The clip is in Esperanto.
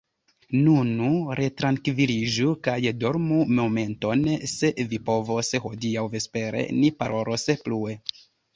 Nun retrankviliĝu kaj dormu momenton, se vi povos, hodiaŭ vespere ni parolos plue.